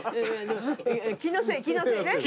気のせい気のせい。